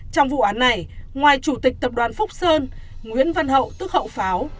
trong vụ án này ngoài chủ tịch tập đoàn phúc sơn nguyễn văn hậu tức hậu pháo